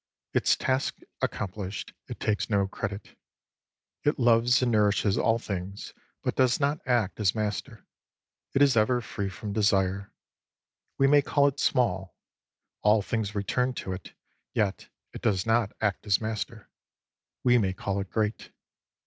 Its task accomplished, it takes no credit. It loves and nourishes all things, but does not act as master. It is ever free from desire. We may call it small. All things return to it, yet it does not act as master. We may call it great.